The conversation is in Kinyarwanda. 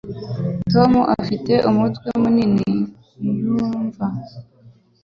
Tom afite umutwe munini ntiyumva.